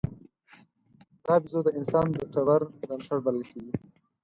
دا بیزو د انسان د ټبر بنسټ بلل کېږي.